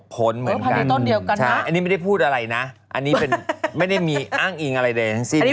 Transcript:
๑๖ผลเหมือนกันนะครับอันนี้ไม่ได้พูดอะไรนะไม่ได้มีอ้างอิงอะไรในทั้งสิ้นนะ